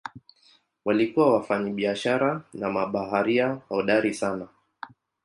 Walikuwa wafanyabiashara na mabaharia hodari sana.